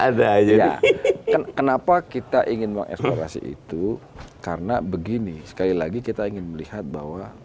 ada ya kenapa kita ingin mengevaluasi itu karena begini sekali lagi kita ingin melihat bahwa